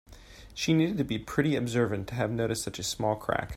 She needed to be pretty observant to have noticed such a small crack.